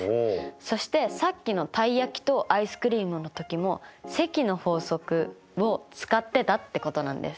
そしてさっきのたい焼きとアイスクリームの時も積の法則を使ってたってことなんです。